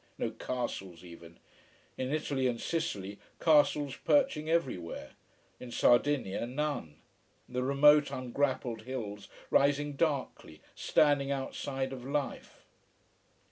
No castles even. In Italy and Sicily castles perching everywhere. In Sardinia none the remote, ungrappled hills rising darkly, standing outside of life.